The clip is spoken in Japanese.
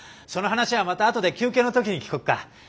その話はまたあとで休憩の時に聞こっか。